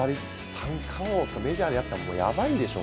三冠王って、メジャーでやったらもうやばいでしょ。